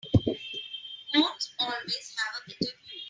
Goats always have a better view.